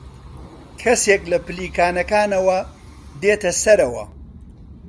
کەسێک لە پلیکانەکانەوە دێتە سەرەوە.